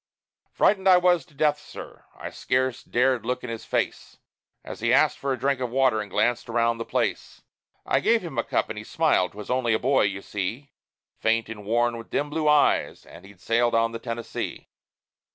Frightened I was to death, sir; I scarce dared look in his face, As he asked for a drink of water, and glanced around the place. I gave him a cup and he smiled 'twas only a boy, you see; Faint and worn, with dim blue eyes; and he'd sailed on the Tennessee.